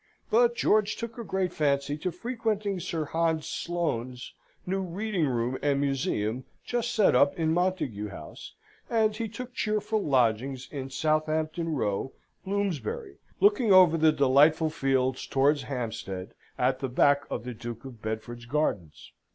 But George took a great fancy to frequenting Sir Hans Sloane's new reading room and museum, just set up in Montagu House, and he took cheerful lodgings in Southampton Row, Bloomsbury, looking over the delightful fields towards Hampstead, at the back of the Duke of Bedford's gardens.